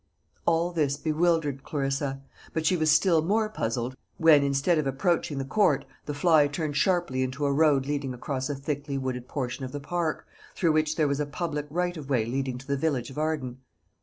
All this bewildered Clarissa; but she was still more puzzled, when, instead of approaching the Court the fly turned sharply into a road leading across a thickly wooded portion of the park, through which there was a public right of way leading to the village of Arden.